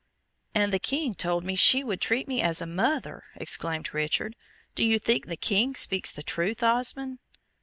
"And the King told me she would treat me as a mother," exclaimed Richard. "Do you think the King speaks the truth, Osmond?"